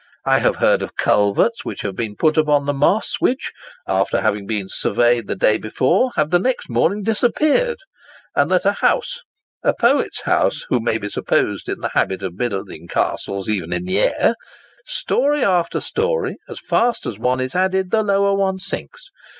I have heard of culverts, which have been put upon the Moss, which, after having been surveyed the day before, have the next morning disappeared; and that a house (a poet's house, who may be supposed in the habit of building castles even in the air), story after story, as fast as one is added, the lower one sinks!